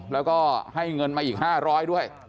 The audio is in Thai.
แล้วก็ให้เงินมาอีก๕๐๐ด้วย